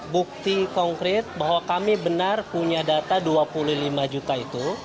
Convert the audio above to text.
bukti konkret bahwa kami benar punya data dua puluh lima juta itu